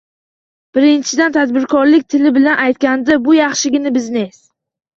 Birinchidan, tadbirkorlik tili bilan aytganda, bu yaxshigina biznes.